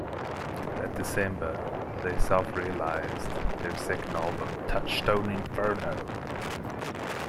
That December they self-released their second album Touchtone Inferno!!!